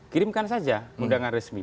kirimkan saja undangan resmi